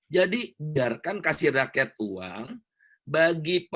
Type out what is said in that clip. jadi biarkan kasih rakyat uang